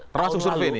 termasuk survei ini ya